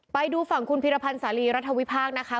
ไปดูฝั่งคุณพิรพันธ์สาลีรัฐวิพากษ์นะคะ